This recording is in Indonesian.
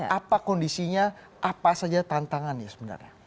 apa kondisinya apa saja tantangannya sebenarnya